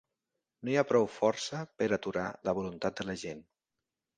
No hi ha prou força per aturar la voluntat de la gent.